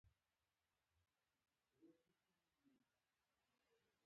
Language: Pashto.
ټکله می درته کړې ،یعنی میلمه می يی